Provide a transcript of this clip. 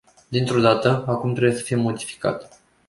Dintr-o dată, acum trebuie să fie modificat.